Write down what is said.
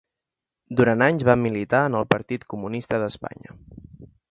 Durant anys va militar en el Partit Comunista d'Espanya.